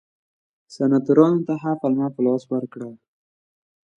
سناتورانو ته ښه پلمه په لاس ورکړه.